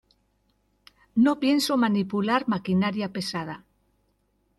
no pienso manipular maquinaria pesada.